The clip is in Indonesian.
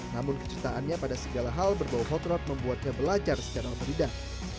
namun keceritaannya pada segala hal berbau hot rod membuatnya belacar secara otodidak